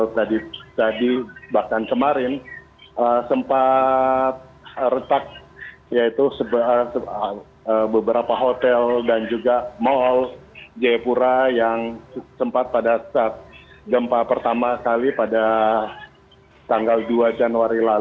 untuk para pengusaha